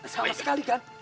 sama sekali kan